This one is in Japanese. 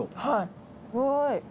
はい。